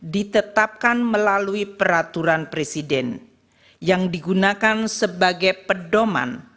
ditetapkan melalui peraturan presiden yang digunakan sebagai pedoman